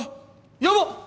やばっ！